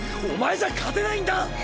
お前じゃ勝てないんだ！